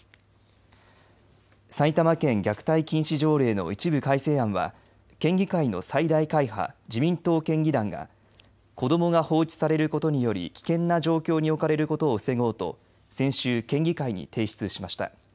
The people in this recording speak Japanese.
埼玉県虐待禁止条例の一部改正案は県議会の最大会派自民党県議団が子どもが放置されることにより危険な状況に置かれることを防ごうと先週、県議会に提出しました。